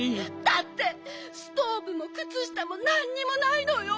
だってストーブもくつしたもなんにもないのよ！